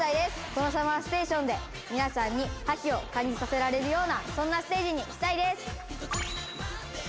このＳＵＭＭＥＲＳＴＡＴＩＯＮで皆さんに覇気を感じさせられるようなそんなステージにしたいです。